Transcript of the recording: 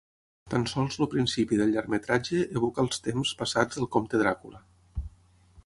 Tan sols el principi del llargmetratge evoca els temps passats del Comte Dràcula.